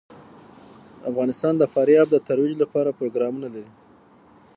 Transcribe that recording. افغانستان د فاریاب د ترویج لپاره پروګرامونه لري.